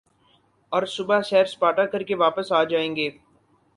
اور صبح سیر سپاٹا کر کے واپس آ جائیں گے ۔